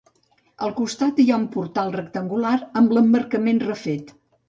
Al costat hi ha un portal rectangular amb l'emmarcament refet.